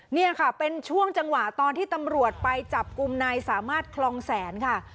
นี่ค่ะเป็นช่วงจังหวะตอนที่ตำรวจไปจับกลุ่มนายสามารถคลองแสนค่ะ